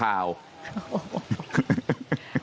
แล้วในตอนนี้คุณจะใจนะฮะ